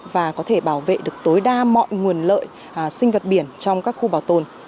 và có thể bảo vệ được tối đa mọi nguồn lợi sinh vật biển trong các khu bảo tồn